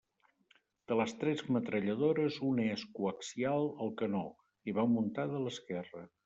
De les tres metralladores una és coaxial al canó i va muntada a l'esquerra.